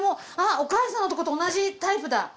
お母さんのとこと同じタイプだ。